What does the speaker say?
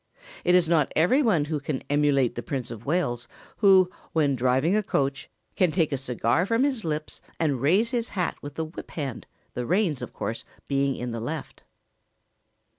It is not every one who can emulate the Prince of Wales, who, when driving a coach, can take a cigar from his lips and raise his hat with the whip hand, the reins, of course, being in the left.